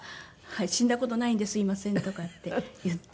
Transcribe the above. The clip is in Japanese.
「死んだ事ないんですいません」とかって言って。